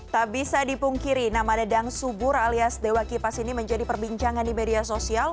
tak bisa dipungkiri nama dedang subur alias dewa kipas ini menjadi perbincangan di media sosial